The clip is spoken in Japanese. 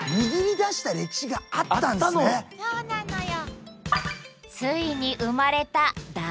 そうなのよ。